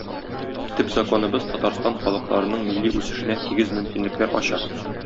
Төп законыбыз Татарстан халыкларының милли үсешенә тигез мөмкинлекләр ача.